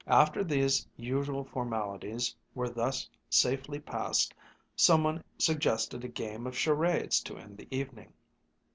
After these usual formalities were thus safely past, some one suggested a game of charades to end the evening.